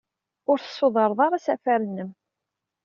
Ur tessudred ara asafar-nnem.